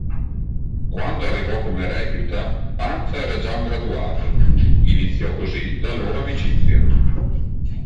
Quando arrivò come recluta, Panza era già un graduato; iniziò così la loro amicizia.